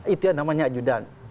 itu namanya ajudan